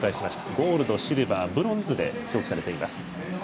ゴールド、シルバー、ブロンズで表示されています。